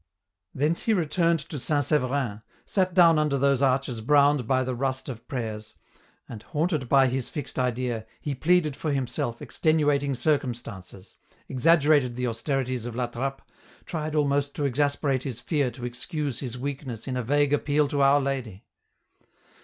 Thence he returned to St. Severin, sat down under those arches browned by the rust of prayers, and, haunted by his fixed idea, he pleaded for himself extenuating circumstances, exaggerated the austerities of La Trappe, tried almost to exasperate his fear to excuse his weakness in a vague appeal to Our Lady.